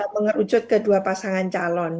mengerucut ke dua pasangan calon